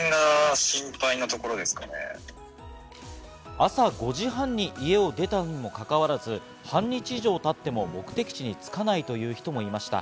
朝５時半に家を出たのにもかかわらず、半日以上経っても目的地につかないという人もいました。